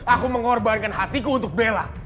aku mengorbankan hatiku untuk bella